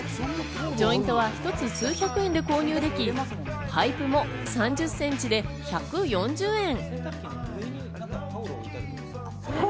ジョイントは一つ数百円で購入でき、パイプも３０センチで１４０円。